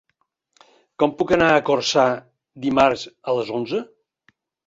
Com puc anar a Corçà dimarts a les onze?